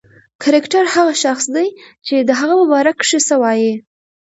کرکټر هغه شخص دئ، چي د هغه په باره کښي څه وايي.